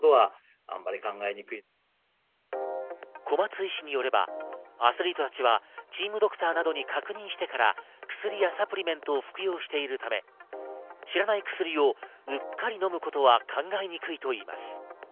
小松医師によればアスリートたちはチームドクターなどに確認してから薬やサプリメントを服用しているため、知らない薬をうっかり飲むことは考えにくいといいます。